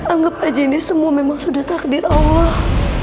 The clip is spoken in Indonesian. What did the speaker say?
anggap aja ini semua memang sudah takdir allah